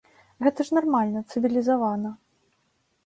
Гэта ж нармальна, цывілізавана.